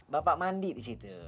bapak mandi di situ